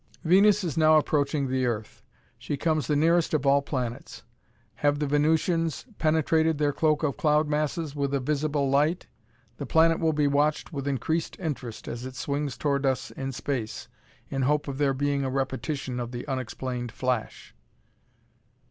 "Venus is now approaching the earth; she comes the nearest of all planets. Have the Venusians penetrated their cloak of cloud masses with a visible light? The planet will be watched with increased interest as it swings toward us in space, in hope of there being a repetition of the unexplained flash."